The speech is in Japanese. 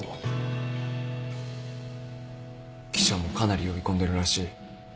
記者もかなり呼び込んでるらしい。